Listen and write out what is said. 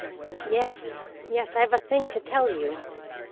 "Yes, yes. I've a thing to tell you.